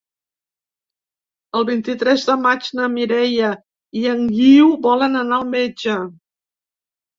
El vint-i-tres de maig na Mireia i en Guiu volen anar al metge.